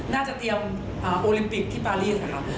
น่าจะเตรียมแค้นเปรียบาลีน์ดินที่ปารีส์